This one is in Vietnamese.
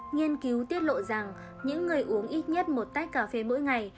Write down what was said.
nghiên cứu tiết lộ rằng những người uống ít nhất một tách cà phê mỗi ngày